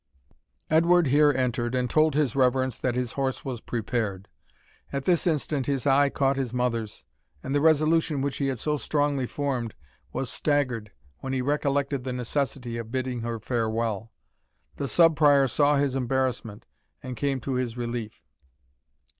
Edward here entered, and told his reverence that his horse was prepared. At this instant his eye caught his mother's, and the resolution which he had so strongly formed was staggered when he recollected the necessity of bidding her farewell. The Sub Prior saw his embarrassment, and came to his relief.